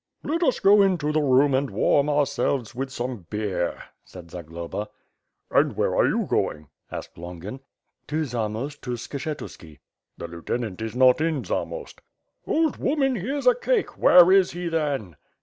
"Let us go into the room and warm ourselves with some beer," said Zagloba. "And where are you going?" asked Longin. "To Zamost, to Skshetuski." "The lieutenant is not in Zamost." "Old woman, here's a cake, where is he then?"